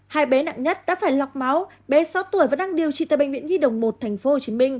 hai bé nặng nhất đã phải lọc máu bé sáu tuổi và đang điều trị tại bệnh viện nhi đồng một tp hcm